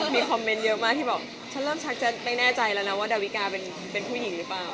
มีคอมเมนต์เยอะมากที่บอกฉันเริ่มชักจะไม่แน่ใจแล้วนะว่าดาวิกาเป็นผู้หญิงหรือเปล่า